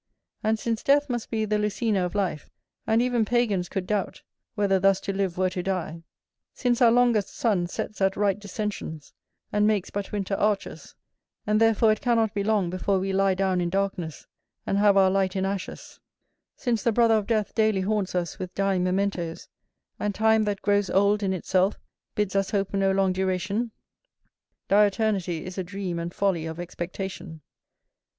And since death must be the Lucina of life, and even Pagans could doubt, whether thus to live were to die; since our longest sun sets at right descensions, and makes but winter arches, and therefore it cannot be long before we lie down in darkness, and have our light in ashes; since the brother of death daily haunts us with dying mementoes, and time that grows old in itself, bids us hope no long duration; diuturnity is a dream and folly of expectation.